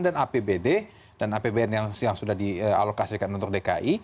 dan apbd dan apbn yang sudah dialokasikan untuk dki